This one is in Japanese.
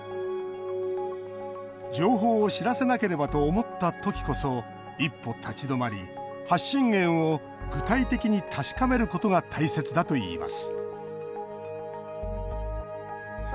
情報を知らせなければと思った時こそ、一歩立ち止まり発信源を具体的に確かめることが大切だといいます